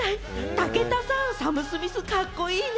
武田さん、サム・スミス、カッコいいね！